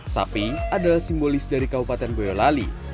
sapi adalah simbolis dari kabupaten boyolali